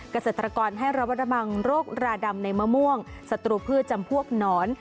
เกษตรกรให้ระวัดระวังโรคราดำในมะม่วงสตรูพืชจำพวกหนอน